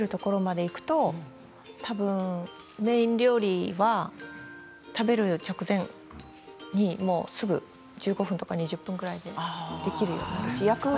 下味を付けるところまでいくと、メイン料理は食べる直前すぐ１５分とか２０分くらいでできるようになります。